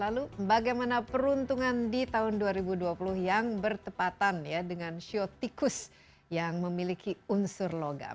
lalu bagaimana peruntungan dua ribu dua puluh yang bertepatan dengan shio miku dance which have abnion logam